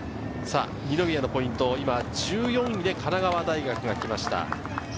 二宮のポイント、１４位で神奈川大学が来ました。